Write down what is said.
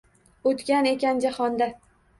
O’tgan ekan jahonda.